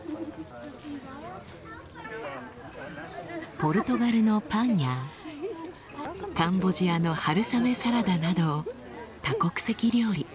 ポルトガルのパンやカンボジアの春雨サラダなど多国籍料理。